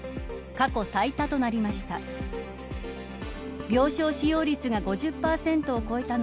過去最多となりました。